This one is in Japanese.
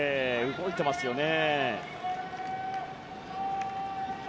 動いていますね。